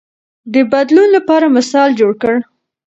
ده د بدلون لپاره مثال جوړ کړ.